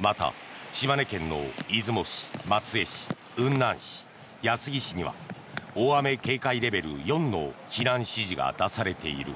また、島根県の出雲市松江市、雲南市、安来市には大雨警戒レベル４の避難指示が出されている。